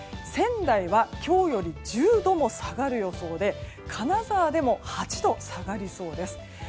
仙台は今日より１０度も下がる予想で金沢でも８度下がりそうです。